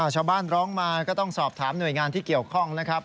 ชาวบ้านร้องมาก็ต้องสอบถามหน่วยงานที่เกี่ยวข้องนะครับ